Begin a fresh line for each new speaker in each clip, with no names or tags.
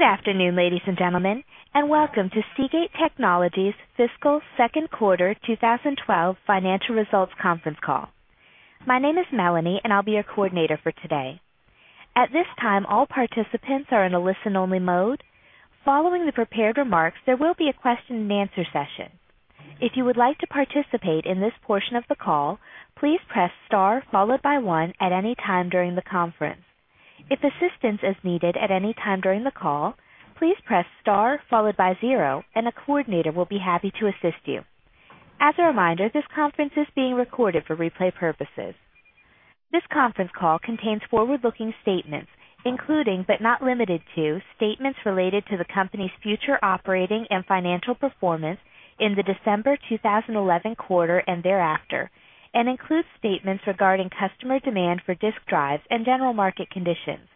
Good afternoon, ladies and gentlemen, and welcome to Seagate Technology's Fiscal Second Quarter 2012 Financial Results Conference Call. My name is Melanie, and I'll be your coordinator for today. At this time, all participants are in a listen-only mode. Following the prepared remarks, there will be a question and answer session. If you would like to participate in this portion of the call, please press star followed by one at any time during the conference. If assistance is needed at any time during the call, please press star followed by zero, and a coordinator will be happy to assist you. As a reminder, this conference is being recorded for replay purposes. This conference call contains forward-looking statements, including but not limited to statements related to the company's future operating and financial performance in the December 2011 quarter and thereafter, and includes statements regarding customer demand for disk drives and general market conditions.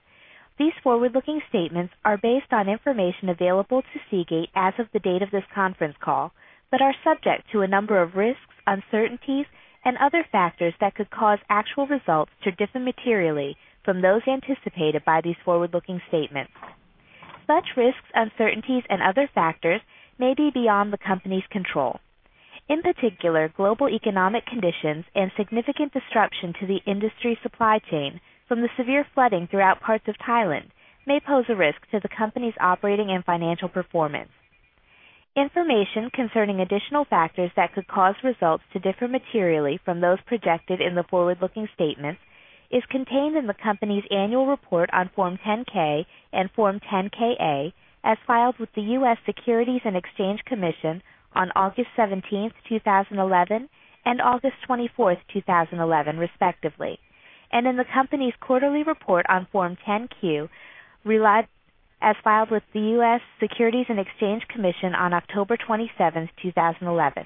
These forward-looking statements are based on information available to Seagate as of the date of this conference call, but are subject to a number of risks, uncertainties, and other factors that could cause actual results to differ materially from those anticipated by these forward-looking statements. Such risks, uncertainties, and other factors may be beyond the company's control. In particular, global economic conditions and significant disruption to the industry supply chain from the severe flooding throughout parts of Thailand may pose a risk to the company's operating and financial performance. Information concerning additional factors that could cause results to differ materially from those projected in the forward-looking statements is contained in the company's annual report on Form 10-K and Form 10-K/A, as filed with the U.S. Securities and Exchange Commission on August 17, 2011, and August 24, 2011, respectively, and in the company's quarterly report on Form 10-Q, as filed with the U.S. Securities and Exchange Commission on October 27, 2011.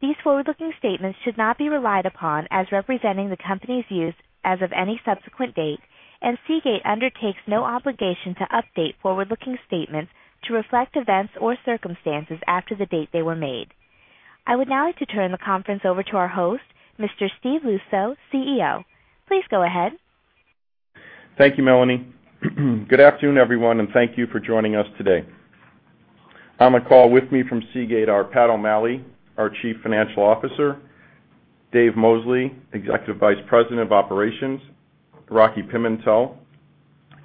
These forward-looking statements should not be relied upon as representing the company's views as of any subsequent date, and Seagate undertakes no obligation to update forward-looking statements to reflect events or circumstances after the date they were made. I would now like to turn the conference over to our host, Mr. Steve Luczo, CEO. Please go ahead.
Thank you, Melanie. Good afternoon, everyone, and thank you for joining us today. On the call with me from Seagate are Pat O’Malley, our Chief Financial Officer, Dave Mosley, Executive Vice President of Operations, Rocky Pimentel,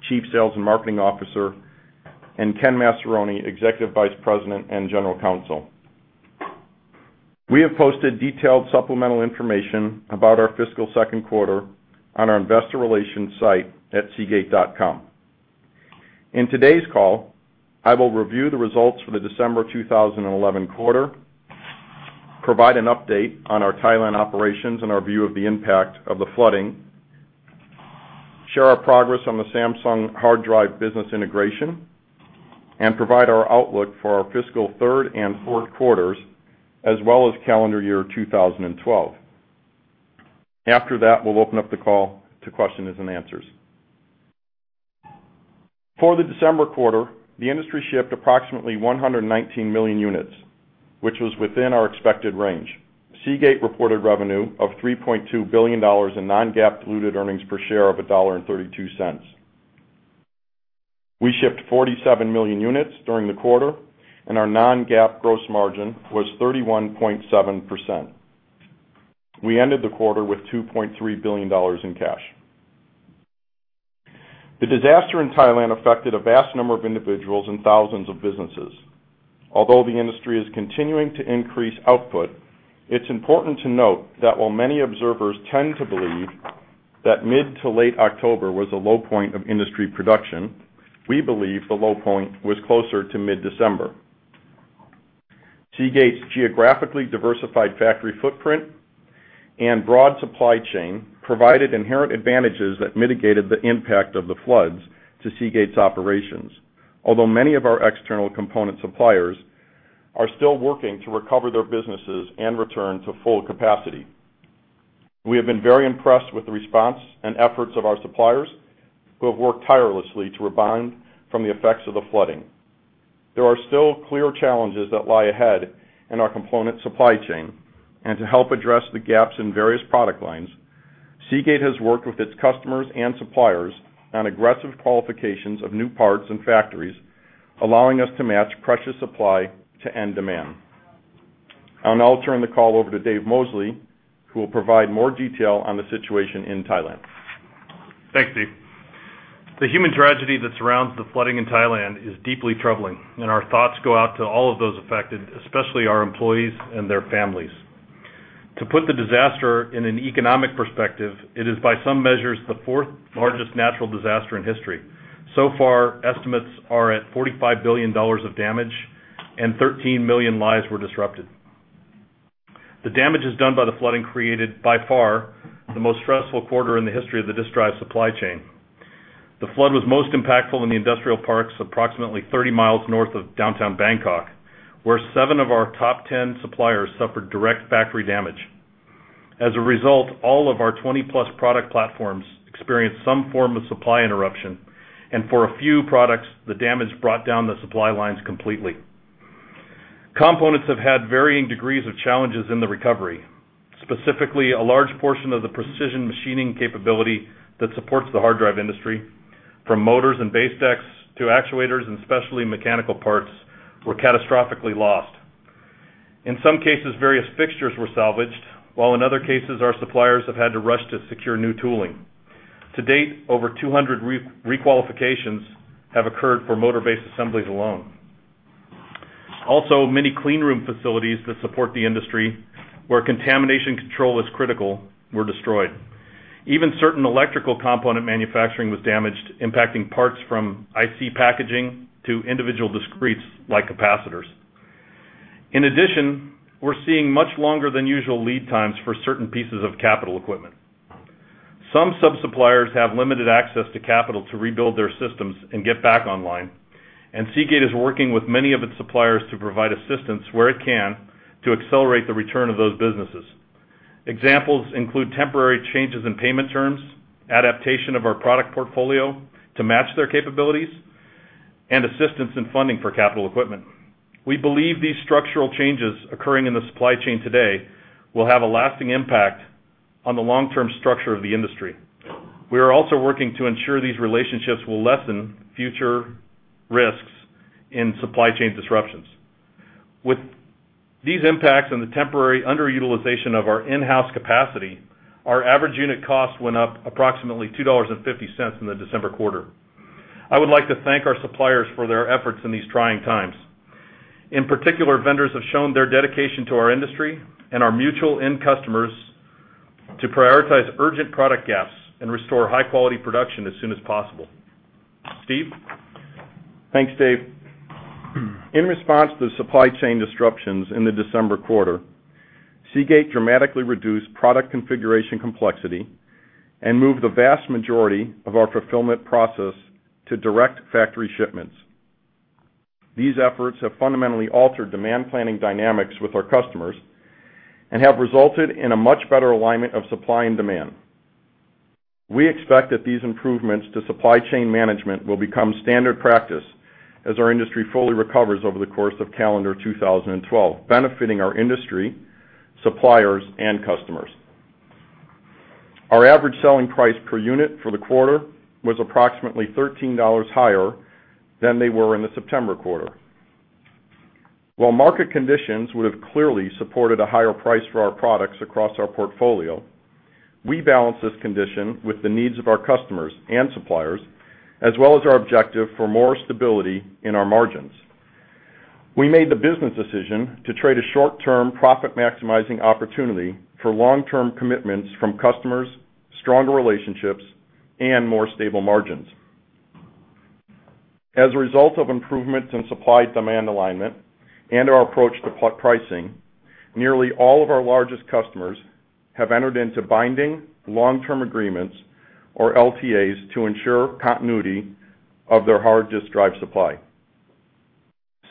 Chief Sales and Marketing Officer, and Ken Massaroni, Executive Vice President and General Counsel. We have posted detailed supplemental information about our fiscal second quarter on our investor relations site at seagate.com. In today's call, I will review the results for the December 2011 quarter, provide an update on our Thailand operations and our view of the impact of the flooding, share our progress on the Samsung hard drive business integration, and provide our outlook for our fiscal third and fourth quarters, as well as calendar year 2012. After that, we'll open up the call to questions and answers. For the December quarter, the industry shipped approximately 119 million units, which was within our expected range. Seagate reported revenue of $3.2 billion and non-GAAP diluted earnings per share of $1.32. We shipped 47 million units during the quarter, and our non-GAAP gross margin was 31.7%. We ended the quarter with $2.3 billion in cash. The disaster in Thailand affected a vast number of individuals and thousands of businesses. Although the industry is continuing to increase output, it's important to note that while many observers tend to believe that mid to late October was a low point of industry production, we believe the low point was closer to mid-December. Seagate's geographically diversified factory footprint and broad supply chain provided inherent advantages that mitigated the impact of the floods to Seagate's operations, although many of our external component suppliers are still working to recover their businesses and return to full capacity. We have been very impressed with the response and efforts of our suppliers, who have worked tirelessly to rebound from the effects of the flooding. There are still clear challenges that lie ahead in our component supply chain, and to help address the gaps in various product lines, Seagate has worked with its customers and suppliers on aggressive qualifications of new parts and factories, allowing us to match precious supply to end demand. Now, I'll turn the call over to Dave Mosley, who will provide more detail on the situation in Thailand.
Thanks, Steve. The human tragedy that surrounds the flooding in Thailand is deeply troubling, and our thoughts go out to all of those affected, especially our employees and their families. To put the disaster in an economic perspective, it is by some measures the fourth largest natural disaster in history. So far, estimates are at $45 billion of damage, and 13 million lives were disrupted. The damages done by the flooding created by far the most stressful quarter in the history of the disk drive supply chain. The flood was most impactful in the industrial parks approximately 30 mi north of downtown Bangkok, where seven of our top 10 suppliers suffered direct factory damage. As a result, all of our 20+ product platforms experienced some form of supply interruption, and for a few products, the damage brought down the supply lines completely. Components have had varying degrees of challenges in the recovery. Specifically, a large portion of the precision machining capability that supports the hard drive industry, from motors and base decks to actuators and specially mechanical parts, were catastrophically lost. In some cases, various fixtures were salvaged, while in other cases, our suppliers have had to rush to secure new tooling. To date, over 200 requalifications have occurred for motor-based assemblies alone. Also, many cleanroom facilities that support the industry, where contamination control is critical, were destroyed. Even certain electrical component manufacturing was damaged, impacting parts from IC packaging to individual discretes like capacitors. In addition, we're seeing much longer than usual lead times for certain pieces of capital equipment. Some sub-suppliers have limited access to capital to rebuild their systems and get back online, and Seagate is working with many of its suppliers to provide assistance where it can to accelerate the return of those businesses. Examples include temporary changes in payment terms, adaptation of our product portfolio to match their capabilities, and assistance in funding for capital equipment. We believe these structural changes occurring in the supply chain today will have a lasting impact on the long-term structure of the industry. We are also working to ensure these relationships will lessen future risks in supply chain disruptions. With these impacts and the temporary underutilization of our in-house capacity, our average unit cost went up approximately $2.50 in the December quarter. I would like to thank our suppliers for their efforts in these trying times. In particular, vendors have shown their dedication to our industry and our mutual end customers to prioritize urgent product gaps and restore high-quality production as soon as possible. Steve.
Thanks, Dave. In response to the supply chain disruptions in the December quarter, Seagate dramatically reduced product configuration complexity and moved the vast majority of our fulfillment process to direct factory shipments. These efforts have fundamentally altered demand planning dynamics with our customers and have resulted in a much better alignment of supply and demand. We expect that these improvements to supply chain management will become standard practice as our industry fully recovers over the course of calendar 2012, benefiting our industry, suppliers, and customers. Our average selling price per unit for the quarter was approximately $13 higher than they were in the September quarter. While market conditions would have clearly supported a higher price for our products across our portfolio, we balance this condition with the needs of our customers and suppliers, as well as our objective for more stability in our margins. We made the business decision to trade a short-term profit-maximizing opportunity for long-term commitments from customers, stronger relationships, and more stable margins. As a result of improvements in supply-demand alignment and our approach to pricing, nearly all of our largest customers have entered into binding long-term agreements or LTAs to ensure continuity of their hard disk drive supply.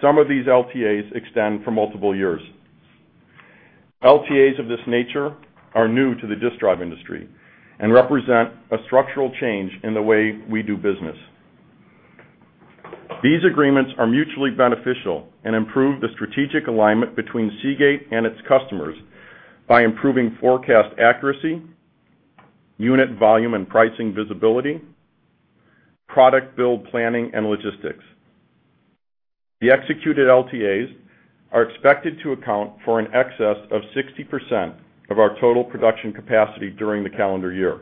Some of these LTAs extend for multiple years. LTAs of this nature are new to the disk drive industry and represent a structural change in the way we do business. These agreements are mutually beneficial and improve the strategic alignment between Seagate and its customers by improving forecast accuracy, unit volume and pricing visibility, product build planning, and logistics. The executed LTAs are expected to account for an excess of 60% of our total production capacity during the calendar year.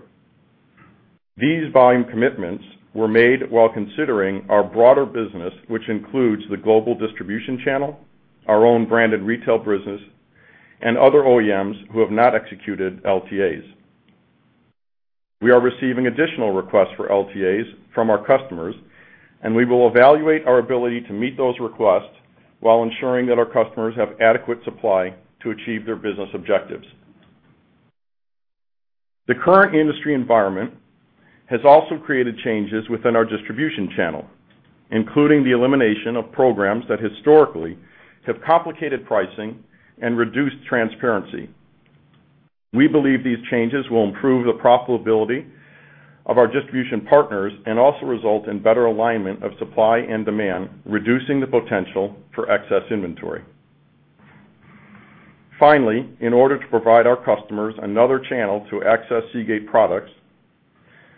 These volume commitments were made while considering our broader business, which includes the global distribution channel, our own branded retail business, and other OEMs who have not executed LTAs. We are receiving additional requests for LTAs from our customers, and we will evaluate our ability to meet those requests while ensuring that our customers have adequate supply to achieve their business objectives. The current industry environment has also created changes within our distribution channel, including the elimination of programs that historically have complicated pricing and reduced transparency. We believe these changes will improve the profitability of our distribution partners and also result in better alignment of supply and demand, reducing the potential for excess inventory. Finally, in order to provide our customers another channel to access Seagate products,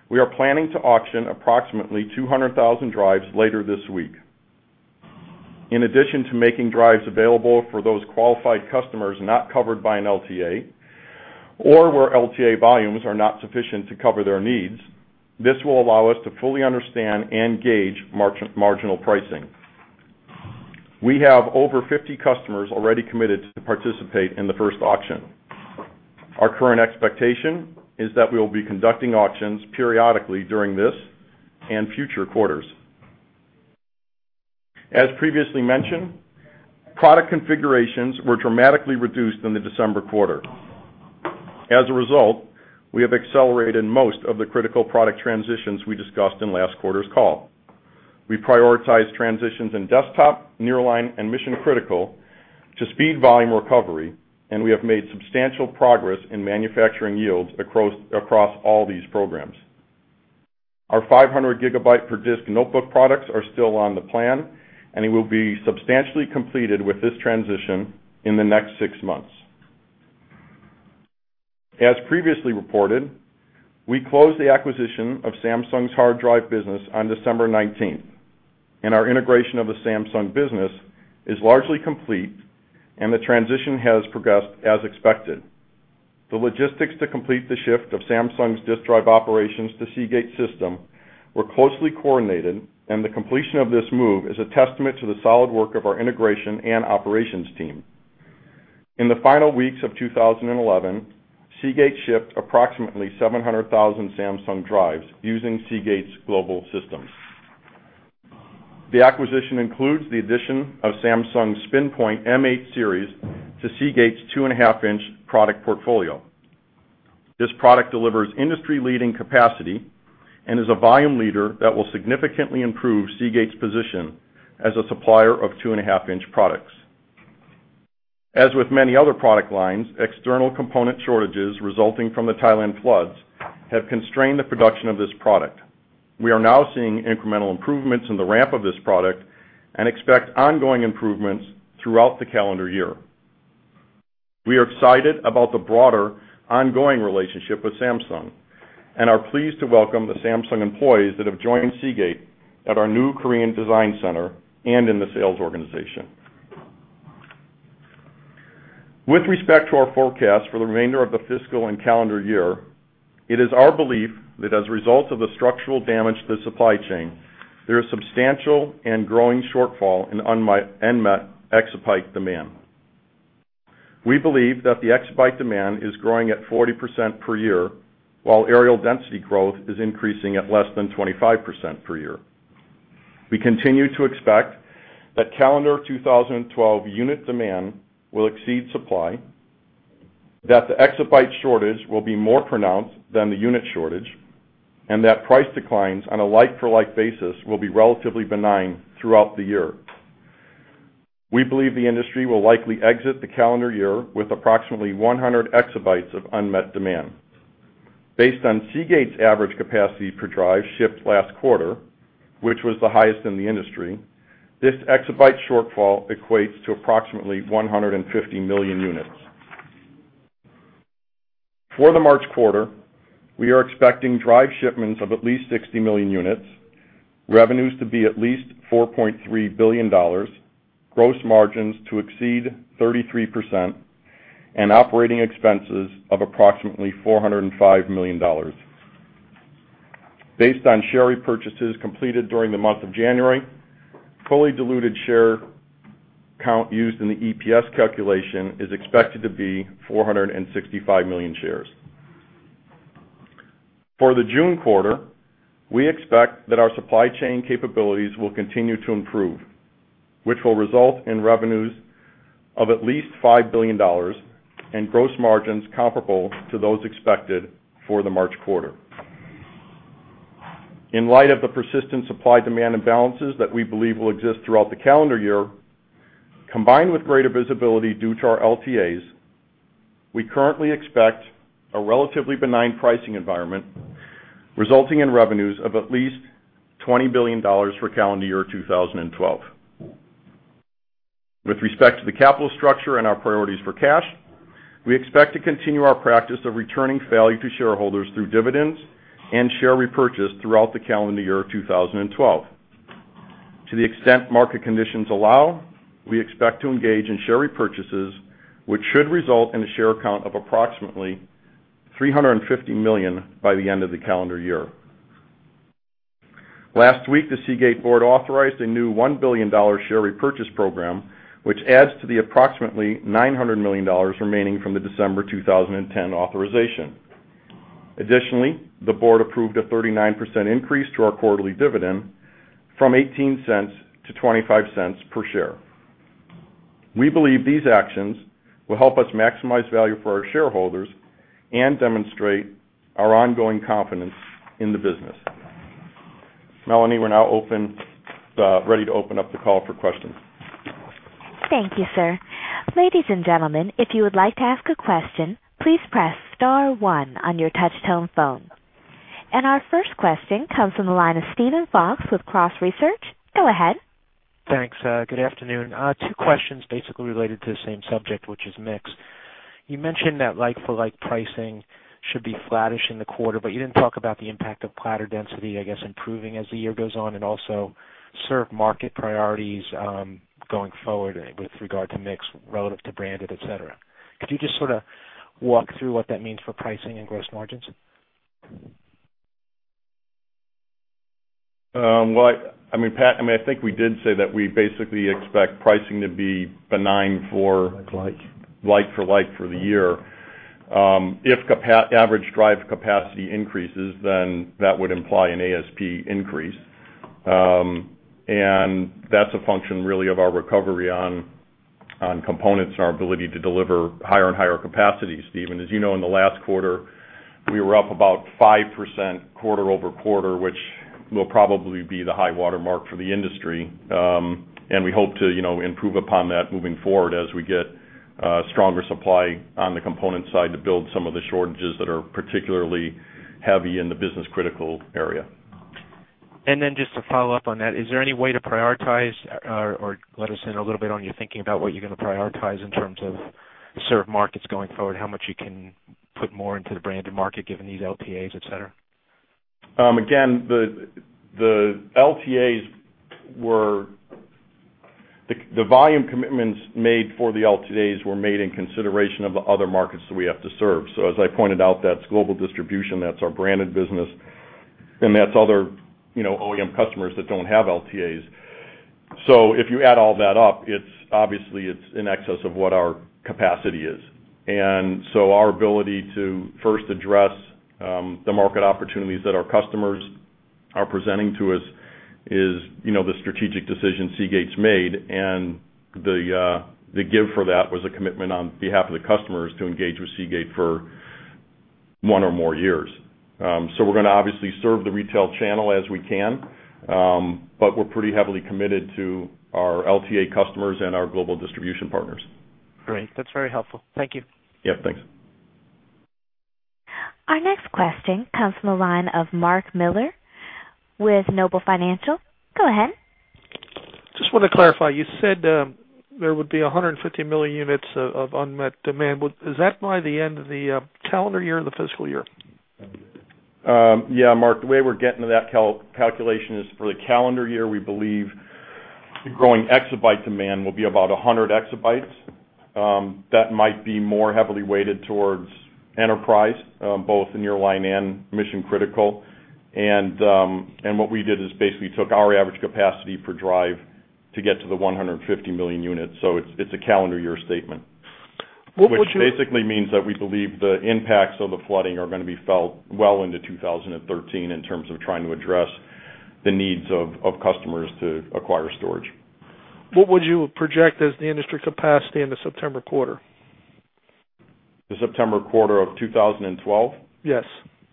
we are planning to auction approximately 200,000 drives later this week. In addition to making drives available for those qualified customers not covered by an LTA or where LTA volumes are not sufficient to cover their needs, this will allow us to fully understand and gauge marginal pricing. We have over 50 customers already committed to participate in the first auction. Our current expectation is that we will be conducting auctions periodically during this and future quarters. As previously mentioned, product configurations were dramatically reduced in the December quarter. As a result, we have accelerated most of the critical product transitions we discussed in last quarter's call. We prioritized transitions in desktop, nearline, and mission-critical to speed volume recovery, and we have made substantial progress in manufacturing yields across all these programs. Our 500 GB per disk notebook products are still on the plan, and it will be substantially completed with this transition in the next six months. As previously reported, we closed the acquisition of Samsung's hard drive business on December 19, and our integration of the Samsung business is largely complete, and the transition has progressed as expected. The logistics to complete the shift of Samsung's disk drive operations to Seagate's system were closely coordinated, and the completion of this move is a testament to the solid work of our integration and operations team. In the final weeks of 2011, Seagate shipped approximately 700,000 Samsung drives using Seagate's global systems. The acquisition includes the addition of Samsung's Spinpoint M8 series to Seagate's 2.5 in product portfolio. This product delivers industry-leading capacity and is a volume leader that will significantly improve Seagate's position as a supplier of 2.5 in products. As with many other product lines, external component shortages resulting from the Thailand floods have constrained the production of this product. We are now seeing incremental improvements in the ramp of this product and expect ongoing improvements throughout the calendar year. We are excited about the broader ongoing relationship with Samsung and are pleased to welcome the Samsung employees that have joined Seagate at our new Korea design center and in the sales organization. With respect to our forecast for the remainder of the fiscal and calendar year, it is our belief that as a result of the structural damage to the supply chain, there is a substantial and growing shortfall in unmet exabyte demand. We believe that the exabyte demand is growing at 40% per year, while aerial density growth is increasing at less than 25% per year. We continue to expect that calendar 2012 unit demand will exceed supply, that the exabyte shortage will be more pronounced than the unit shortage, and that price declines on a like-for-like basis will be relatively benign throughout the year. We believe the industry will likely exit the calendar year with approximately 100 EB of unmet demand. Based on Seagate's average capacity per drive shipped last quarter, which was the highest in the industry, this exabyte shortfall equates to approximately 150 million units. For the March quarter, we are expecting drive shipments of at least 60 million units, revenues to be at least $4.3 billion, gross margins to exceed 33%, and operating expenses of approximately $405 million. Based on share repurchases completed during the month of January, fully diluted share count used in the EPS calculation is expected to be 465 million shares. For the June quarter, we expect that our supply chain capabilities will continue to improve, which will result in revenues of at least $5 billion and gross margins comparable to those expected for the March quarter. In light of the persistent supply-demand imbalances that we believe will exist throughout the calendar year, combined with greater visibility due to our LTAs, we currently expect a relatively benign pricing environment, resulting in revenues of at least $20 billion for calendar year 2012. With respect to the capital structure and our priorities for cash, we expect to continue our practice of returning value to shareholders through dividends and share repurchase throughout the calendar year 2012. To the extent market conditions allow, we expect to engage in share repurchases, which should result in a share count of approximately 350 million by the end of the calendar year. Last week, the Seagate board authorized a new $1 billion share repurchase program, which adds to the approximately $900 million remaining from the December 2010 authorization. Additionally, the board approved a 39% increase to our quarterly dividend from $0.18 to $0.25 per share. We believe these actions will help us maximize value for our shareholders and demonstrate our ongoing confidence in the business. Melanie, we're now ready to open up the call for questions.
Thank you, sir. Ladies and gentlemen, if you would like to ask a question, please press star one on your touch-tone phone. Our first question comes from the line of Steven Fox with Cross Research. Go ahead.
Thanks. Good afternoon. Two questions basically related to the same subject, which is mix. You mentioned that like-for-like pricing should be flattish in the quarter, but you didn't talk about the impact of platter density, I guess, improving as the year goes on and also serve market priorities going forward with regard to mix relative to branded, etc. Could you just sort of walk through what that means for pricing and gross margins?
Pat, I think we did say that we basically expect pricing to be benign for like-for-like for the year. If average drive capacity increases, then that would imply an ASP increase. That's a function really of our recovery on components and our ability to deliver higher and higher capacity. Steven, as you know, in the last quarter, we were up about 5% quarter-over-quarter, which will probably be the high watermark for the industry. We hope to improve upon that moving forward as we get stronger supply on the component side to build some of the shortages that are particularly heavy in the business-critical area.
Is there any way to prioritize or let us in a little bit on your thinking about what you're going to prioritize in terms of serve markets going forward, how much you can put more into the branded market given these LTAs, etc.?
Again, the volume commitments made for the LTAs were made in consideration of the other markets that we have to serve. As I pointed out, that's global distribution, that's our branded business, and that's other OEM customers that don't have LTAs. If you add all that up, it's obviously in excess of what our capacity is. Our ability to first address the market opportunities that our customers are presenting to us is the strategic decision Seagate's made, and the give for that was a commitment on behalf of the customers to engage with Seagate for one or more years. We're going to obviously serve the retail channel as we can, but we're pretty heavily committed to our LTA customers and our global distribution partners.
Great. That's very helpful. Thank you.
Yeah, thanks.
Our next question comes from the line of Mark Miller with Noble Financial. Go ahead.
Just want to clarify, you said there would be 150 million units of unmet demand. Is that by the end of the calendar year or the fiscal year?
Yeah, Mark, the way we're getting to that calculation is for the calendar year, we believe the growing exabyte demand will be about 100 EB. That might be more heavily weighted towards enterprise, both the nearline and mission-critical. What we did is basically took our average capacity per drive to get to the 150 million units. It's a calendar year statement, which basically means that we believe the impacts of the flooding are going to be felt well into 2013 in terms of trying to address the needs of customers to acquire storage.
What would you project as the industry capacity in the September quarter?
The September quarter of 2012?
Yes.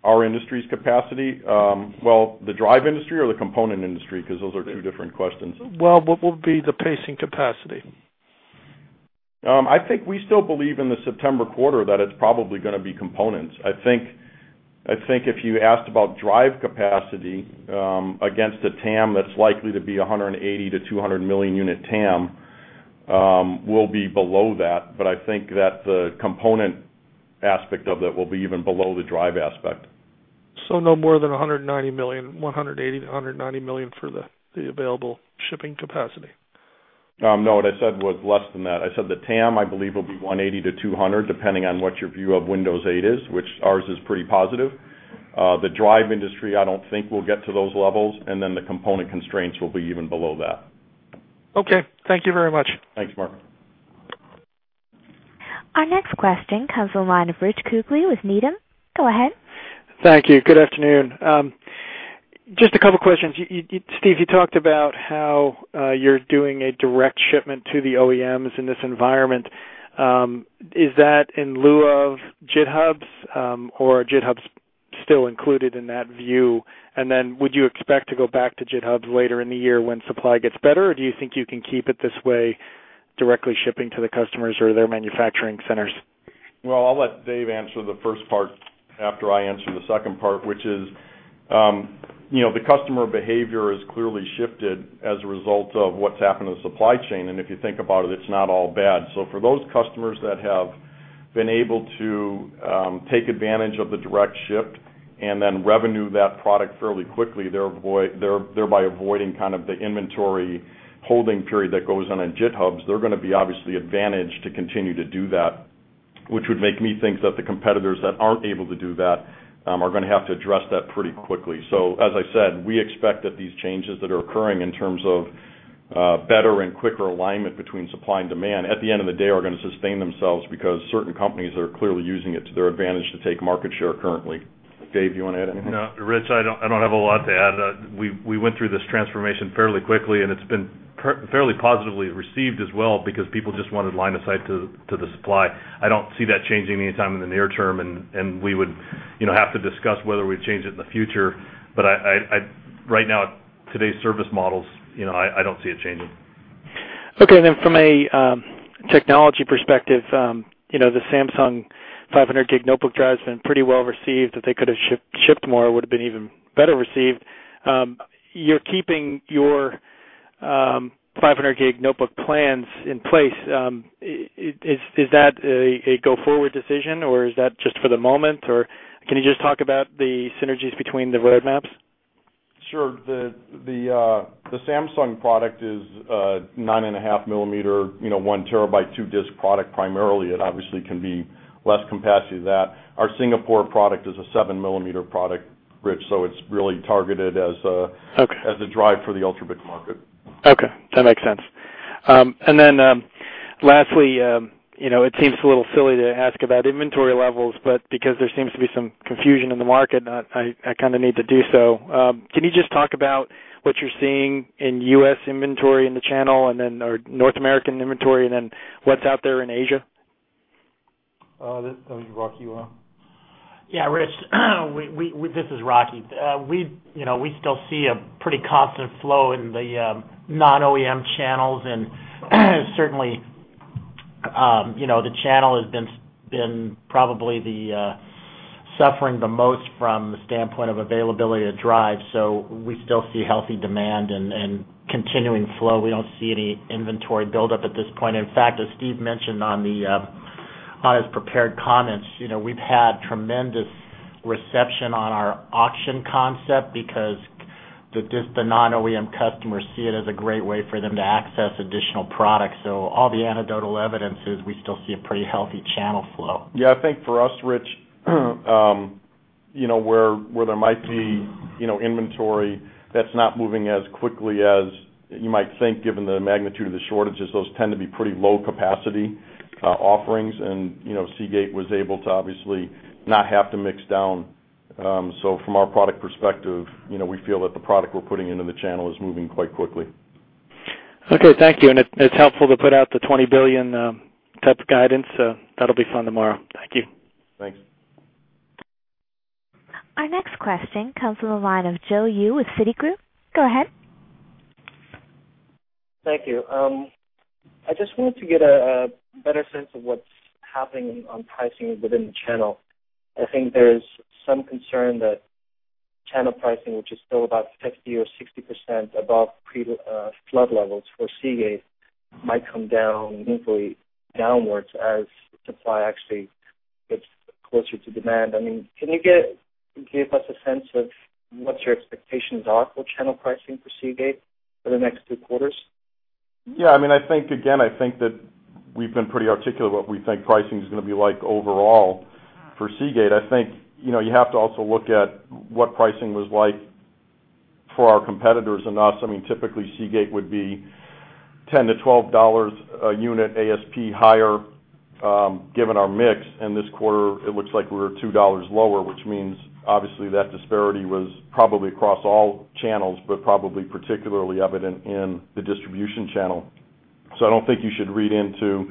Our industry's capacity? The drive industry or the component industry, because those are two different questions.
What would be the pacing capacity?
I think we still believe in the September quarter that it's probably going to be components. I think if you asked about drive capacity against a TAM that's likely to be 180 million-200 million unit TAM, we'll be below that. I think that the component aspect of that will be even below the drive aspect.
No more than 180 million-190 million for the available shipping capacity?
No, what I said was less than that. I said the TAM, I believe, will be 180 million to 200 million, depending on what your view of Windows 8 is, which ours is pretty positive. The drive industry, I don't think we'll get to those levels, and the component constraints will be even below that.
Okay, thank you very much.
Thanks, Mark.
Our next question comes from the line of Rich Kugele with Needham. Go ahead.
Thank you. Good afternoon. Just a couple of questions. Steve, you talked about how you're doing a direct shipment to the OEMs in this environment. Is that in lieu of GitHubs, or are GitHubs still included in that view? Would you expect to go back to GitHubs later in the year when supply gets better, or do you think you can keep it this way, directly shipping to the customers or their manufacturing centers?
I'll let Dave answer the first part after I answer the second part, which is the customer behavior has clearly shifted as a result of what's happened to the supply chain. If you think about it, it's not all bad. For those customers that have been able to take advantage of the direct factory shipments and then revenue that product fairly quickly, they're thereby avoiding kind of the inventory holding period that goes on GitHubs. They're going to be obviously advantaged to continue to do that, which would make me think that the competitors that aren't able to do that are going to have to address that pretty quickly. As I said, we expect that these changes that are occurring in terms of better and quicker alignment between supply and demand, at the end of the day, are going to sustain themselves because certain companies are clearly using it to their advantage to take market share currently. Dave, you want to add anything?
Rich, I don't have a lot to add. We went through this transformation fairly quickly, and it's been fairly positively received as well because people just wanted line of sight to the supply. I don't see that changing anytime in the near term, and we would have to discuss whether we'd change it in the future. Right now, today's service models, I don't see it changing.
Okay. From a technology perspective, the Samsung 500 GB notebook drive has been pretty well received. If they could have shipped more, it would have been even better received. You're keeping your 500 GB notebook plans in place. Is that a go-forward decision, or is that just for the moment, or can you just talk about the synergies between the roadmaps?
Sure. The Samsung product is a 9.5 mm, 1 TB, two-disk product primarily. It obviously can be less capacity than that. Our Singapore product is a 7 mm product, Rich, so it's really targeted as a drive for the Ultrabook market.
Okay. That makes sense. Lastly, it seems a little silly to ask about inventory levels, but because there seems to be some confusion in the market, I kind of need to do so. Can you just talk about what you're seeing in U.S. inventory in the channel and then our North American inventory, and then what's out there in Asia?
Yeah, Rich, this is Rocky. We still see a pretty constant flow in the non-OEM channels, and certainly the channel has been probably suffering the most from the standpoint of availability of drives. We still see healthy demand and continuing flow. We don't see any inventory buildup at this point. In fact, as Steve mentioned on his prepared comments, we've had tremendous reception on our auction concept because the non-OEM customers see it as a great way for them to access additional products. All the anecdotal evidence is we still see a pretty healthy channel flow.
Yeah, I think for us, Rich, where there might be inventory that's not moving as quickly as you might think, given the magnitude of the shortages, those tend to be pretty low-capacity offerings, and Seagate was able to obviously not have to mix down. From our product perspective, we feel that the product we're putting into the channel is moving quite quickly.
Okay, thank you. It's helpful to put out the $20 billion type of guidance. That'll be fun tomorrow. Thank you.
Thanks.
Our next question comes from the line of Joe Yoo with Citigroup. Go ahead.
Thank you. I just wanted to get a better sense of what's happening on pricing within the channel. I think there's some concern that channel pricing, which is still about 50% or 60% above flood levels for Seagate, might come down meaningfully downwards as supply actually gets closer to demand. I mean, can you give us a sense of what your expectations are for channel pricing for Seagate for the next two quarters?
Yeah, I mean, I think again, I think that we've been pretty articulate what we think pricing is going to be like overall for Seagate. I think you know, you have to also look at what pricing was like for our competitors and us. Typically, Seagate would be $10-$12 a unit ASP higher, given our mix. This quarter, it looks like we were $2 lower, which means obviously that disparity was probably across all channels, but probably particularly evident in the distribution channel. I don't think you should read into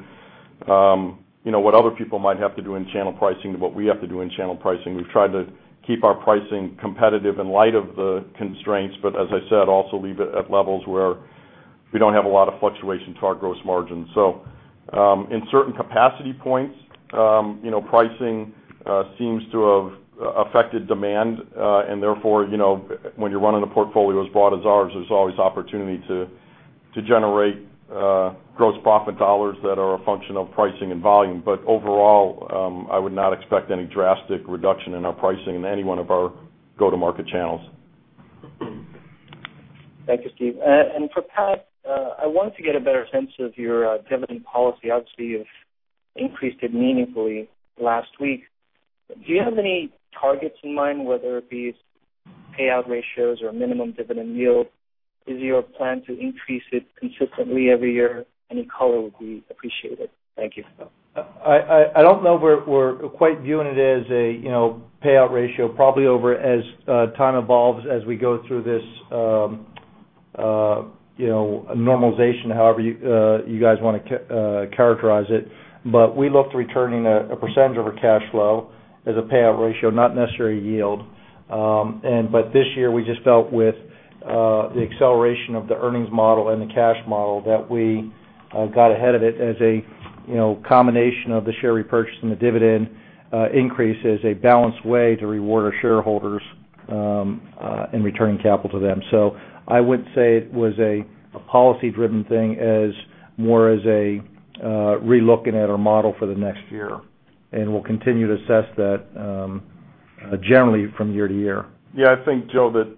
what other people might have to do in channel pricing to what we have to do in channel pricing. We've tried to keep our pricing competitive in light of the constraints, but as I said, also leave it at levels where we don't have a lot of fluctuation to our gross margins. In certain capacity points, pricing seems to have affected demand, and therefore, when you're running a portfolio as broad as ours, there's always opportunity to generate gross profit dollars that are a function of pricing and volume. Overall, I would not expect any drastic reduction in our pricing in any one of our go-to-market channels.
Thank you, Steve. For Pat, I want to get a better sense of your dividend policy. Obviously, you've increased it meaningfully last week. Do you have any targets in mind, whether it be payout ratios or minimum dividend yield? Is your plan to increase it consistently every year? Any color would be appreciated. Thank you.
I don't know. We're quite viewing it as a payout ratio, probably over as time evolves as we go through this normalization, however you guys want to characterize it. We look to returning a percentage of our cash flow as a payout ratio, not necessarily yield. This year, we just felt with the acceleration of the earnings model and the cash model that we got ahead of it as a combination of the share repurchase and the dividend increase as a balanced way to reward our shareholders and return capital to them. I would say it was a policy-driven thing more as a relooking at our model for the next year. We'll continue to assess that generally from year to year.
Yeah, I think, Joe, that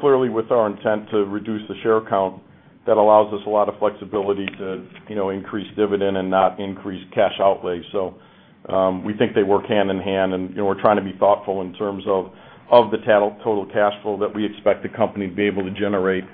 clearly with our intent to reduce the share count, that allows us a lot of flexibility to increase dividend and not increase cash outlay. We think they work hand in hand, and we're trying to be thoughtful in terms of the total cash flow that we expect the company to be able to generate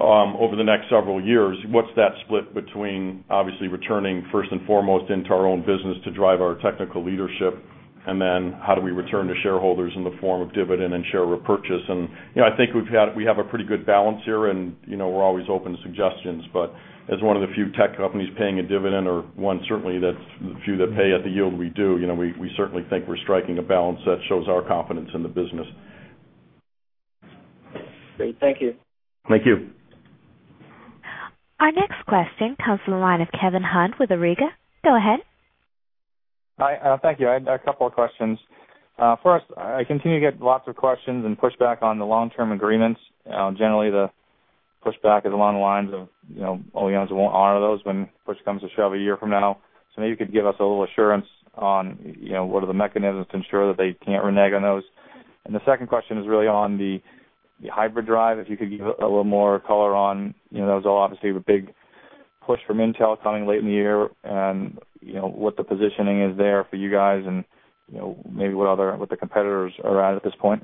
over the next several years. What's that split between obviously returning first and foremost into our own business to drive our technical leadership, and then how do we return to shareholders in the form of dividend and share repurchase? I think we have a pretty good balance here, and we're always open to suggestions. As one of the few tech companies paying a dividend, or one certainly that's the few that pay at the yield we do, we certainly think we're striking a balance that shows our confidence in the business.
Great, thank you.
Thank you.
Our next question comes from the line of Kevin Hunt with Auriga. Go ahead.
Thank you. I had a couple of questions. First, I continue to get lots of questions and pushback on the long-term agreements. Generally, the pushback is along the lines of OEMs won't honor those when push comes to shove a year from now. Maybe you could give us a little assurance on what are the mechanisms to ensure that they can't renege on those. The second question is really on the hybrid drive. If you could give a little more color on that, it was all obviously a big push from Intel coming late in the year and what the positioning is there for you guys and maybe what the competitors are at at this point.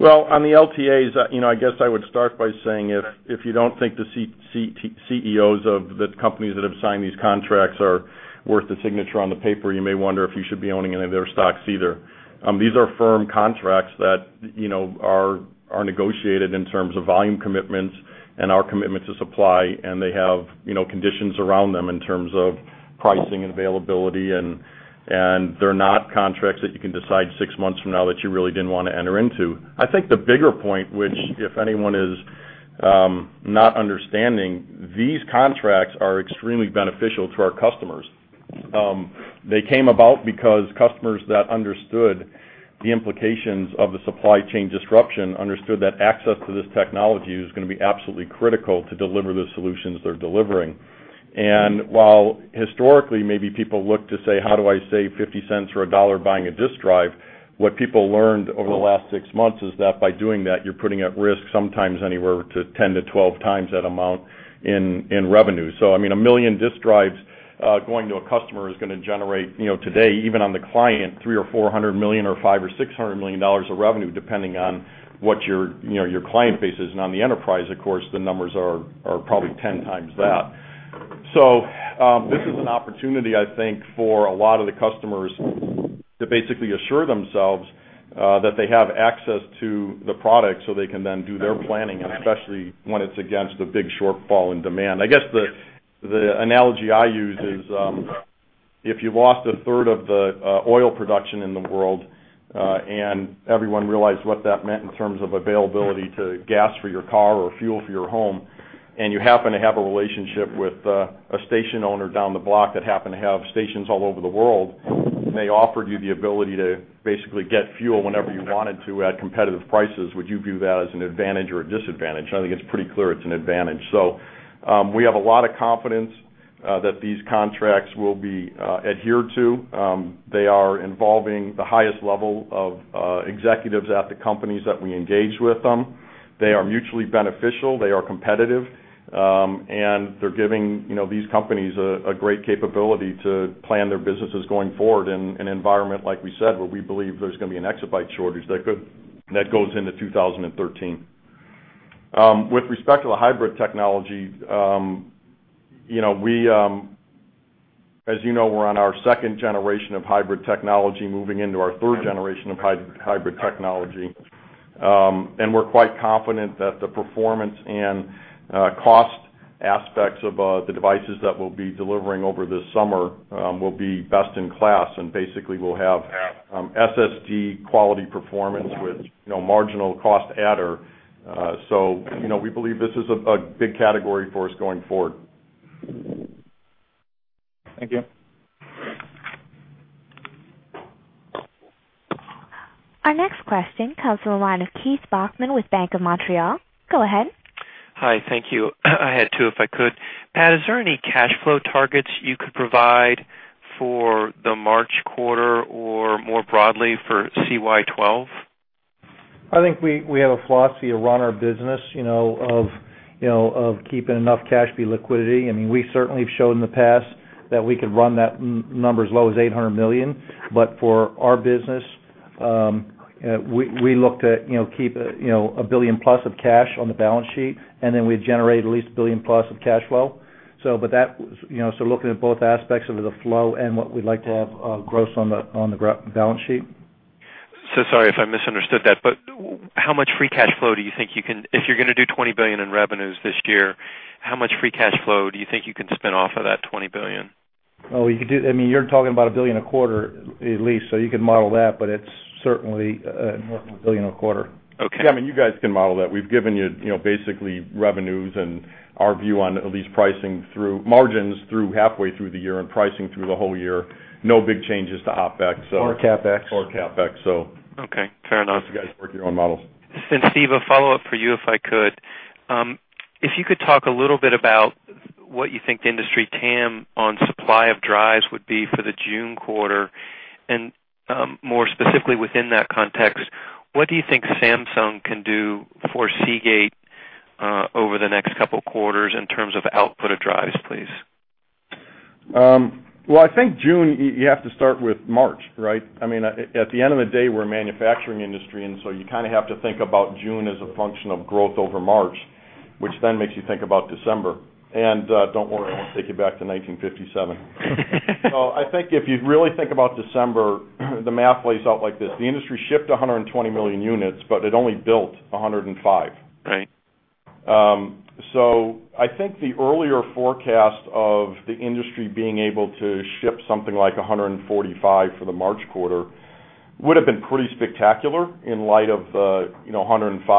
On the LTAs, I guess I would start by saying if you don't think the CEOs of the companies that have signed these contracts are worth the signature on the paper, you may wonder if you should be owning any of their stocks either. These are firm contracts that are negotiated in terms of volume commitments and our commitment to supply, and they have conditions around them in terms of pricing and availability. They're not contracts that you can decide six months from now that you really didn't want to enter into. I think the bigger point, which if anyone is not understanding, these contracts are extremely beneficial to our customers. They came about because customers that understood the implications of the supply chain disruption understood that access to this technology was going to be absolutely critical to deliver the solutions they're delivering. While historically, maybe people look to say, "How do I save $0.50 or $1 buying a disk drive?" what people learned over the last six months is that by doing that, you're putting at risk sometimes anywhere to 10-12 times that amount in revenue. I mean, a million disk drives going to a customer is going to generate, today, even on the client, $300 million or $400 million or $500 million or $600 million of revenue, depending on what your client base is. On the enterprise, of course, the numbers are probably 10x that. This is an opportunity, I think, for a lot of the customers to basically assure themselves that they have access to the product so they can then do their planning, especially when it's against the big shortfall in demand. I guess the analogy I use is if you lost a third of the oil production in the world and everyone realized what that meant in terms of availability to gas for your car or fuel for your home, and you happen to have a relationship with a station owner down the block that happened to have stations all over the world, and they offered you the ability to basically get fuel whenever you wanted to at competitive prices, would you view that as an advantage or a disadvantage? I think it's pretty clear it's an advantage. We have a lot of confidence that these contracts will be adhered to. They are involving the highest level of executives at the companies that we engage with them. They are mutually beneficial. They are competitive. They are giving these companies a great capability to plan their businesses going forward in an environment, like we said, where we believe there's going to be an exabyte shortage that goes into 2013. With respect to the hybrid technology, as you know, we're on our second generation of hybrid technology moving into our third generation of hybrid technology. We are quite confident that the performance and cost aspects of the devices that we'll be delivering over this summer will be best in class and basically will have SSG quality performance with marginal cost adder. We believe this is a big category for us going forward.
Thank you.
Our next question comes from the line of Keith Bachman with Bank of Montreal. Go ahead.
Hi. Thank you. I had two if I could. Pat, is there any cash flow targets you could provide for the March quarter or more broadly for CY2012?
I think we have a philosophy to run our business, you know, of keeping enough cash, be liquidity. I mean, we certainly have shown in the past that we could run that number as low as $800 million. For our business, we look to keep $1 billion plus of cash on the balance sheet, and then we'd generate at least $1 billion plus of cash flow, looking at both aspects of the flow and what we'd like to have gross on the balance sheet.
Sorry if I misunderstood that, but how much free cash flow do you think you can, if you're going to do $20 billion in revenues this year, how much free cash flow do you think you can spin off of that $20 billion?
You could do, I mean, you're talking about $1 billion a quarter at least, so you could model that, but it's certainly $1 billion a quarter.
Okay.
Yeah, I mean, you guys can model that. We've given you basically revenues and our view on at least pricing through margins halfway through the year and pricing through the whole year. No big changes to OpEx.
Or CapEx.
CapEx, so.
Okay. Fair enough.
You guys work your own models.
Steve, a follow-up for you if I could. If you could talk a little bit about what you think the industry TAM on supply of drives would be for the June quarter, and more specifically within that context, what do you think Samsung can do for Seagate over the next couple of quarters in terms of output of drives, please?
I think June, you have to start with March, right? I mean, at the end of the day, we're a manufacturing industry, and you kind of have to think about June as a function of growth over March, which then makes you think about December. Don't worry, I won't take you back to 1957. I think if you really think about December, the math lays out like this. The industry shipped 120 million units, but it only built 105 million units.
Right.
I think the earlier forecast of the industry being able to ship something like 145 million units for the March quarter would have been pretty spectacular in light of the 105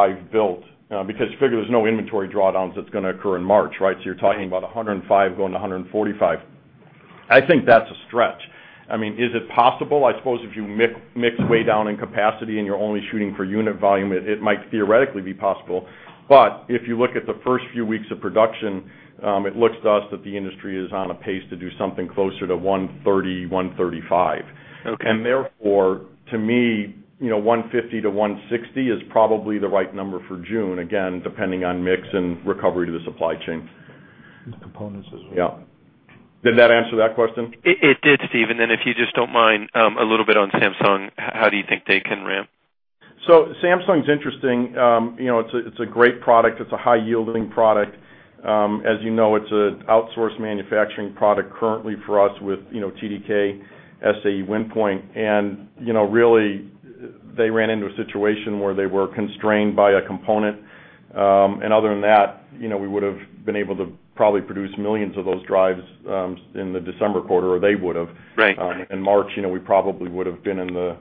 million units built, because you figure there's no inventory drawdowns that's going to occur in March, right? You're talking about 105 million units going to 145 million units. I think that's a stretch. I mean, is it possible? I suppose if you mix way down in capacity and you're only shooting for unit volume, it might theoretically be possible. If you look at the first few weeks of production, it looks to us that the industry is on a pace to do something closer to 130, 135.
Okay.
To me, 150 million-160 million is probably the right number for June, again, depending on mix and recovery to the supply chain.
These components as well.
Yeah, did that answer that question?
It did, Steve. If you just don't mind a little bit on Samsung, how do you think they can ramp?
Samsung is interesting. You know, it's a great product. It's a high-yielding product. As you know, it's an outsourced manufacturing product currently for us with TDK as a Spinpoint. They ran into a situation where they were constrained by a component. Other than that, we would have been able to probably produce millions of those drives in the December quarter, or they would have.
Right.
In March, we probably would have been in the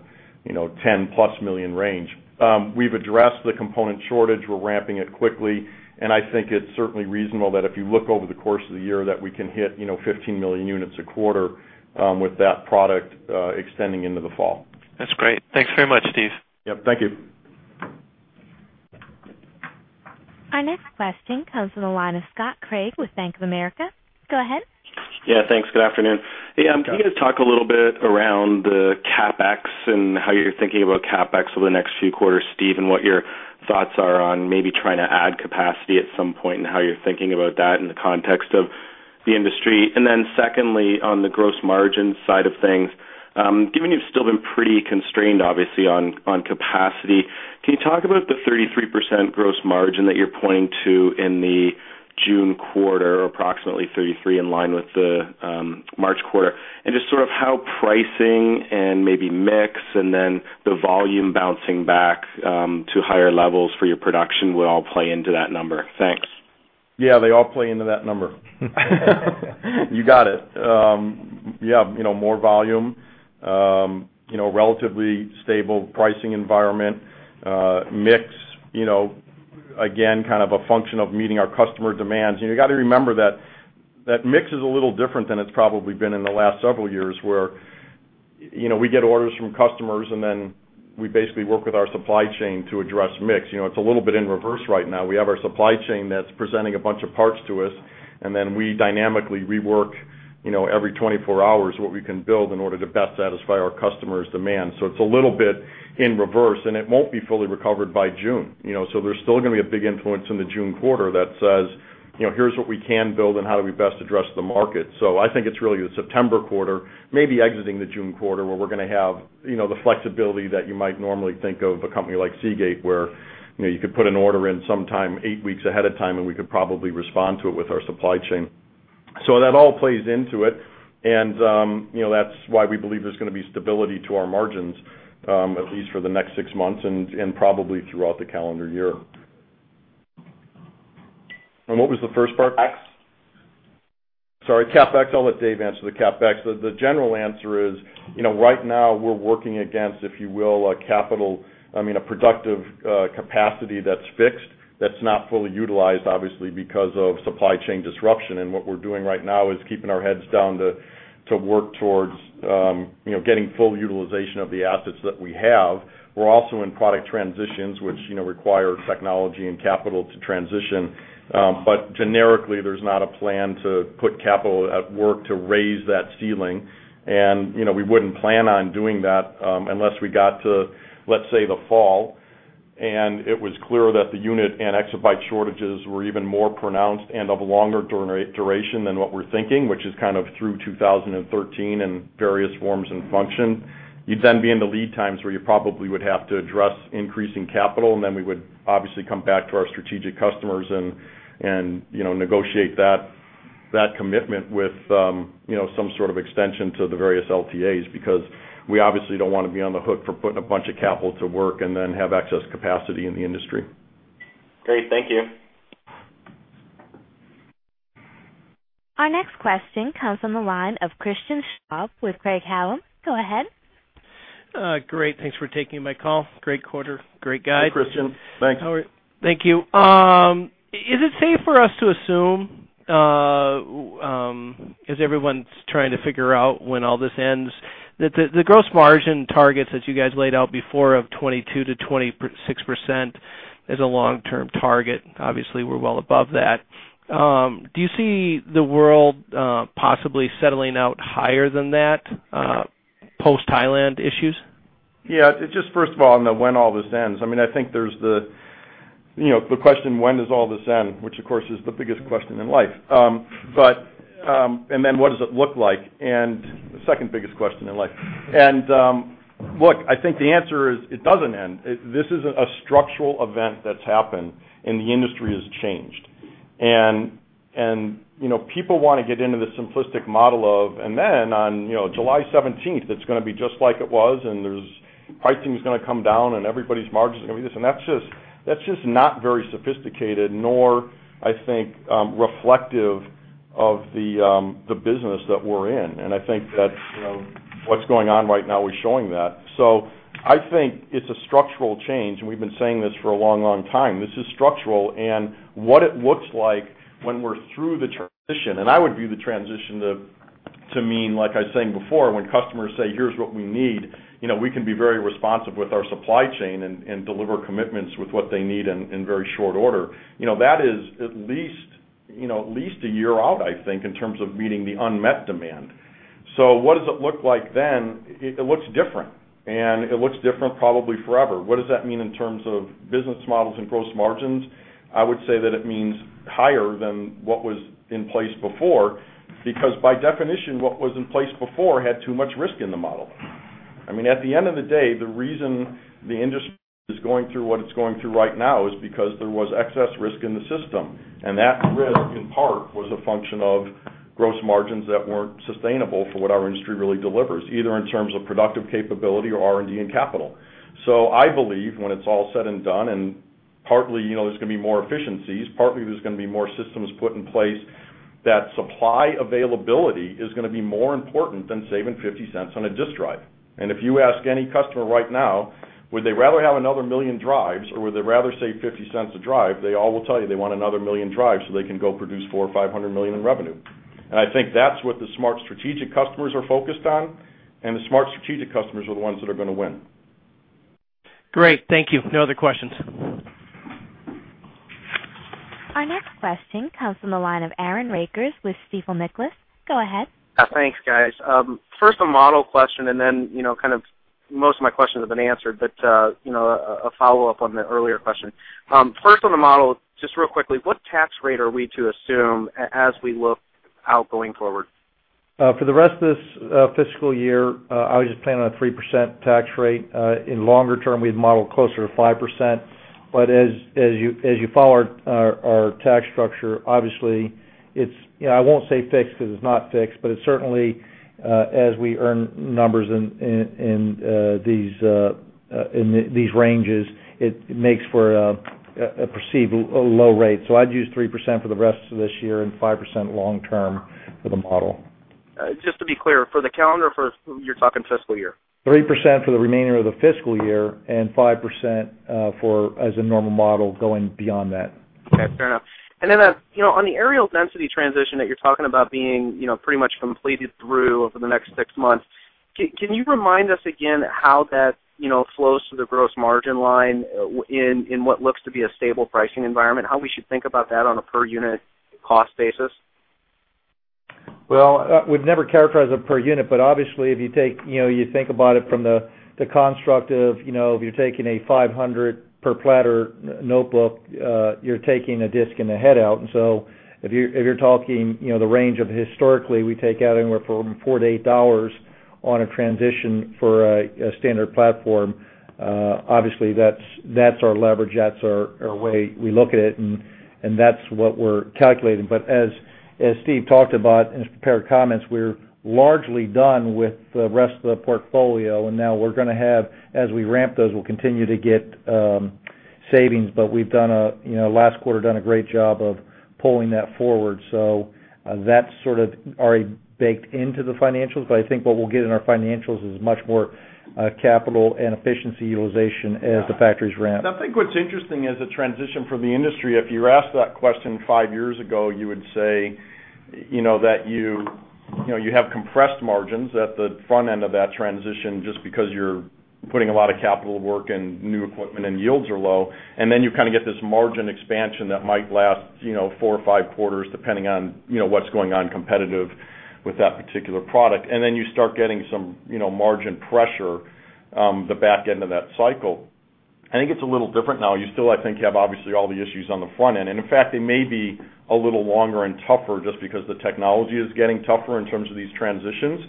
10+ million range. We've addressed the component shortage. We're ramping it quickly. I think it's certainly reasonable that if you look over the course of the year, we can hit 15 million units a quarter with that product extending into the fall.
That's great. Thanks very much, Steve.
Thank you.
Our next question comes from the line of Scott Craig with Bank of America. Go ahead.
Yeah, thanks. Good afternoon. Hey, can you guys talk a little bit around the CapEx and how you're thinking about CapEx over the next few quarters, Steve, and what your thoughts are on maybe trying to add capacity at some point and how you're thinking about that in the context of the industry? Secondly, on the gross margin side of things, given you've still been pretty constrained, obviously, on capacity, can you talk about the 33% gross margin that you're pointing to in the June quarter, approximately 33% in line with the March quarter, and just sort of how pricing and maybe mix and then the volume bouncing back to higher levels for your production would all play into that number? Thanks.
Yeah, they all play into that number. You got it. Yeah, more volume, relatively stable pricing environment, mix, again, kind of a function of meeting our customer demands. You got to remember that mix is a little different than it's probably been in the last several years where we get orders from customers and then we basically work with our supply chain to address mix. It's a little bit in reverse right now. We have our supply chain that's presenting a bunch of parts to us, and then we dynamically rework every 24 hours what we can build in order to best satisfy our customers' demands. It's a little bit in reverse, and it won't be fully recovered by June. There's still going to be a big influence in the June quarter that says, "Here's what we can build and how do we best address the market." I think it's really the September quarter, maybe exiting the June quarter where we're going to have the flexibility that you might normally think of a company like Seagate where you could put an order in sometime eight weeks ahead of time and we could probably respond to it with our supply chain. That all plays into it. That's why we believe there's going to be stability to our margins, at least for the next six months and probably throughout the calendar year. What was the first part?
CapEx.
Sorry, CapEx. I'll let Dave answer the CapEx. The general answer is, right now we're working against, if you will, a capital, I mean, a productive capacity that's fixed, that's not fully utilized, obviously, because of supply chain disruption. What we're doing right now is keeping our heads down to work towards getting full utilization of the assets that we have. We're also in product transitions, which require technology and capital to transition. Generically, there's not a plan to put capital at work to raise that ceiling. We wouldn't plan on doing that unless we got to, let's say, the fall, and it was clear that the unit and exabyte shortages were even more pronounced and of a longer duration than what we're thinking, which is kind of through 2013 in various forms and functions. You'd then be in the lead times where you probably would have to address increasing capital, and we would obviously come back to our strategic customers and negotiate that commitment with some sort of extension to the various LTAs because we obviously don't want to be on the hook for putting a bunch of capital to work and then have excess capacity in the industry.
Great. Thank you.
Our next question comes from the line of Christian Schwab with Craig-Hallum. Go ahead.
Great. Thanks for taking my call. Great quarter. Great guide.
Christian, thanks.
All right. Thank you. Is it safe for us to assume, as everyone's trying to figure out when all this ends, that the gross margin targets that you guys laid out before of 22%-26% as a long-term target? Obviously, we're well above that. Do you see the world possibly settling out higher than that post-Thailand issues?
Yeah, just first of all, I don't know when all this ends. I mean, I think there's the question, when does all this end, which of course is the biggest question in life. Then what does it look like? That is the second biggest question in life. I think the answer is it doesn't end. This is a structural event that's happened and the industry has changed. People want to get into the simplistic model of, and then on July 17, it's going to be just like it was and pricing is going to come down and everybody's margins are going to be this. That is just not very sophisticated, nor do I think it is reflective of the business that we're in. I think that what's going on right now is showing that. I think it's a structural change, and we've been saying this for a long, long time. This is structural. What it looks like when we're through the transition, and I would view the transition to mean, like I was saying before, when customers say, "Here's what we need," we can be very responsive with our supply chain and deliver commitments with what they need in very short order. That is at least a year out, I think, in terms of meeting the unmet demand. What does it look like then? It looks different. It looks different probably forever. What does that mean in terms of business models and gross margins? I would say that it means higher than what was in place before because by definition, what was in place before had too much risk in the model. At the end of the day, the reason the industry is going through what it's going through right now is because there was excess risk in the system. That risk in part was a function of gross margins that weren't sustainable for what our industry really delivers, either in terms of productive capability or R&D and capital. I believe when it's all said and done, and partly there's going to be more efficiencies, partly there's going to be more systems put in place that supply availability is going to be more important than saving $0.50 on a disk drive. If you ask any customer right now, would they rather have another million drives or would they rather save $0.50 a drive? They all will tell you they want another million drives so they can go produce $400 million or $500 million in revenue. I think that's what the smart strategic customers are focused on. The smart strategic customers are the ones that are going to win.
Great. Thank you. No other questions.
Our next question comes from the line of Aaron Rakers with Stifel Nicolaus. Go ahead.
Thanks, guys. First, a model question, and then most of my questions have been answered, but a follow-up on the earlier question. First on the model, just real quickly, what tax rate are we to assume as we look out going forward?
For the rest of this fiscal year, I would just plan on a 3% tax rate. In longer term, we'd model closer to 5%. As you follow our tax structure, obviously, it's not fixed because it's not fixed, but it's certainly, as we earn numbers in these ranges, it makes for a perceived low rate. I'd use 3% for the rest of this year and 5% long-term for the model.
Just to be clear, for the calendar or for you're talking fiscal year?
3% for the remainder of the fiscal year and 5% for, as a normal model, going beyond that.
Okay. Fair enough. On the aerial density transition that you're talking about being pretty much completed through over the next six months, can you remind us again how that flows through the gross margin line in what looks to be a stable pricing environment, how we should think about that on a per unit cost basis?
We've never characterized it per unit, but obviously, if you think about it from the construct of, you know, if you're taking a 500 per platter notebook, you're taking a disk and a head out. If you're talking the range of historically, we take out anywhere from $4-$8 on a transition for a standard platform. Obviously, that's our leverage. That's our way we look at it, and that's what we're calculating. As Steve talked about in his prepared comments, we're largely done with the rest of the portfolio, and now we're going to have, as we ramp those, we'll continue to get savings. We've done a last quarter, done a great job of pulling that forward. That's sort of already baked into the financials, but I think what we'll get in our financials is much more capital and efficiency utilization as the factories ramp.
I think what's interesting is a transition from the industry. If you were asked that question five years ago, you would say that you have compressed margins at the front end of that transition just because you're putting a lot of capital to work and new equipment and yields are low. You kind of get this margin expansion that might last four or five quarters, depending on what's going on competitive with that particular product. Then you start getting some margin pressure, the back end of that cycle. I think it's a little different now. You still, I think, have obviously all the issues on the front end. In fact, they may be a little longer and tougher just because the technology is getting tougher in terms of these transitions.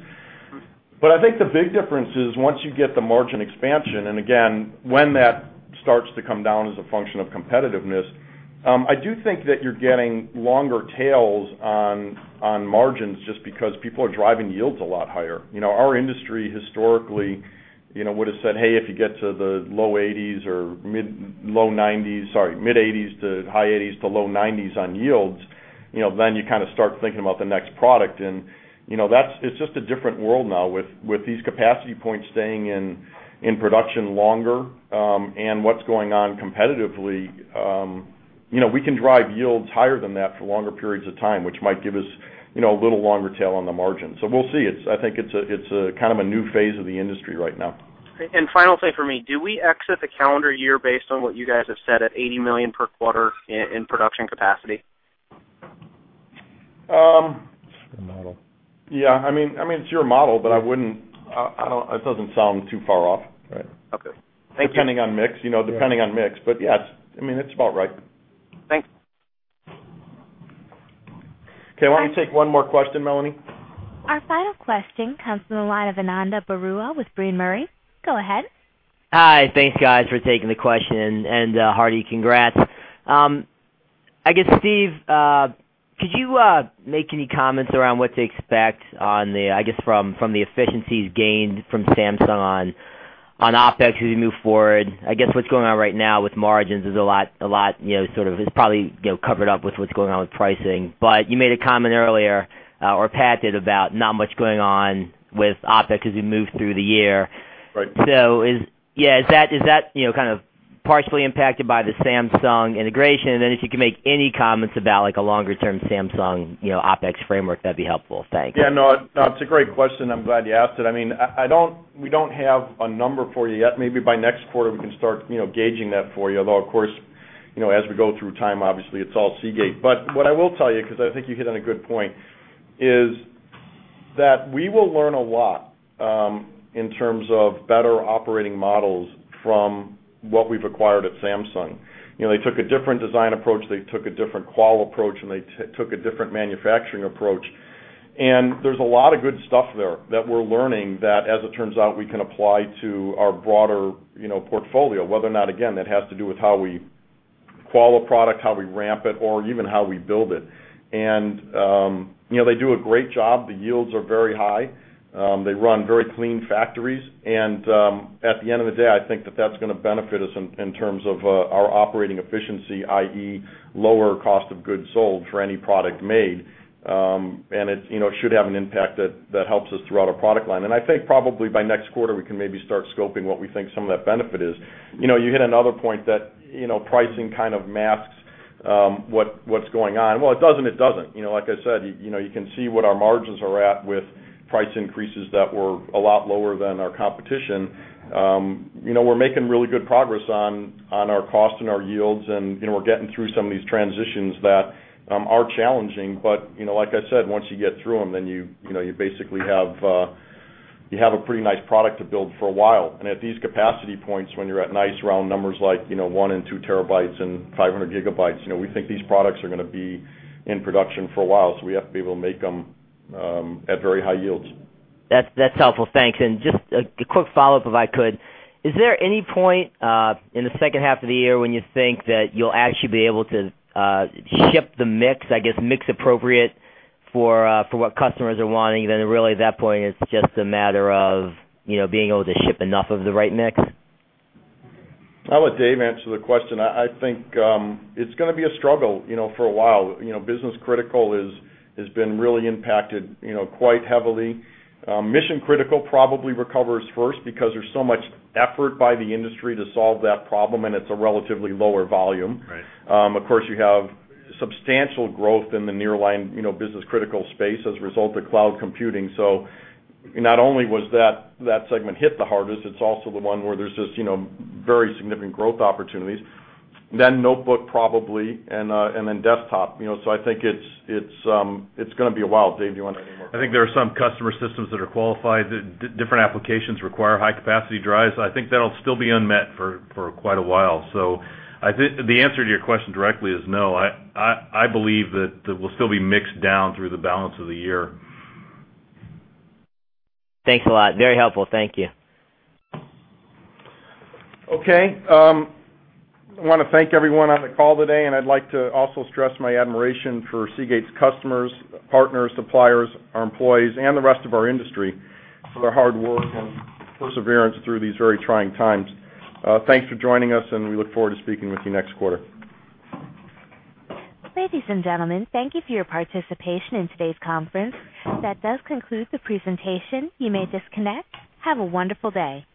I think the big difference is once you get the margin expansion, and again, when that starts to come down as a function of competitiveness, I do think that you're getting longer tails on margins just because people are driving yields a lot higher. Our industry historically would have said, "Hey, if you get to the low 80s or mid 80s to high 80s to low 90s on yields, then you kind of start thinking about the next product." It's just a different world now with these capacity points staying in production longer and what's going on competitively. We can drive yields higher than that for longer periods of time, which might give us a little longer tail on the margin. We'll see. I think it's kind of a new phase of the industry right now.
Do we exit the calendar year based on what you guys have said at $80 million per quarter in production capacity?
Yeah, I mean, it's your model, but I wouldn't, it doesn't sound too far off, right?
Okay, thank you.
Depending on mix, depending on mix, yes, it's about right.
Thanks.
Okay, I want to take one more question, Melanie.
Our final question comes from the line of Ananda Baruah with Brean Murray. Go ahead.
Hi. Thanks, guys, for taking the question and Hardy, congrats. I guess, Steve, could you make any comments around what to expect on the, I guess, from the efficiencies gained from Samsung on OpEx as we move forward? I guess what's going on right now with margins is a lot, a lot, you know, sort of, it's probably, you know, covered up with what's going on with pricing. You made a comment earlier, or Pat did, about not much going on with OpEx as we move through the year.
Right.
Is that, you know, kind of partially impacted by the Samsung integration? If you could make any comments about like a longer-term Samsung, you know, OpEx framework, that'd be helpful. Thanks.
Yeah, no, it's a great question. I'm glad you asked it. I mean, I don't, we don't have a number for you yet. Maybe by next quarter, we can start, you know, gauging that for you. Although, of course, as we go through time, obviously, it's all Seagate. What I will tell you, because I think you hit on a good point, is that we will learn a lot in terms of better operating models from what we've acquired at Samsung. You know, they took a different design approach. They took a different qual approach, and they took a different manufacturing approach. There's a lot of good stuff there that we're learning that, as it turns out, we can apply to our broader portfolio, whether or not, again, that has to do with how we qual a product, how we ramp it, or even how we build it. You know, they do a great job. The yields are very high. They run very clean factories. At the end of the day, I think that that's going to benefit us in terms of our operating efficiency, i.e., lower cost of goods sold for any product made. It should have an impact that helps us throughout our product line. I think probably by next quarter, we can maybe start scoping what we think some of that benefit is. You hit another point that pricing kind of masks what's going on. It doesn't, it doesn't. Like I said, you can see what our margins are at with price increases that were a lot lower than our competition. We're making really good progress on our cost and our yields, and you know, we're getting through some of these transitions that are challenging. Like I said, once you get through them, then you basically have a pretty nice product to build for a while. At these capacity points, when you're at nice round numbers like, you know, one and two terabytes and 500 gigabytes, we think these products are going to be in production for a while. We have to be able to make them at very high yields.
That's helpful. Thanks. Just a quick follow-up, if I could. Is there any point in the second half of the year when you think that you'll actually be able to ship the mix, I guess, mix appropriate for what customers are wanting? At that point, it's just a matter of being able to ship enough of the right mix?
I'll let Dave answer the question. I think it's going to be a struggle for a while. Business critical has been really impacted quite heavily. Mission critical probably recovers first because there's so much effort by the industry to solve that problem, and it's a relatively lower volume. Of course, you have substantial growth in the nearline business critical space as a result of cloud computing. Not only was that segment hit the hardest, it's also the one where there's just very significant growth opportunities. Then notebook probably, and then desktop. I think it's going to be a while. Dave, do you want?
I think there are some customer systems that are qualified. Different applications require high-capacity drives. I think that'll still be unmet for quite a while. I think the answer to your question directly is no. I believe that we'll still be mixed down through the balance of the year.
Thanks a lot. Very helpful. Thank you.
Okay. I want to thank everyone on the call today, and I'd like to also stress my admiration for Seagate's customers, partners, suppliers, our employees, and the rest of our industry for their hard work and perseverance through these very trying times. Thanks for joining us, and we look forward to speaking with you next quarter.
Ladies and gentlemen, thank you for your participation in today's conference. That does conclude the presentation. You may disconnect. Have a wonderful day.